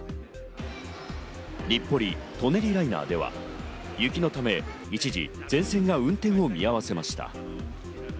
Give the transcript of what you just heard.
日暮里・舎人ライナーでは雪のため一時、全線が運転を見合わせました。